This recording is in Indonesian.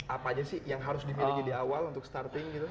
apa aja sih yang harus dimiliki di awal untuk starting gitu